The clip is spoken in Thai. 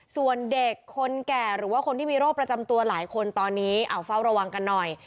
ส่วนเด็กคนแก่หรือว่าคนที่มีโรคประจำตัวหลายคนตอนนี้เอาเฝ้าระวังกันหน่อย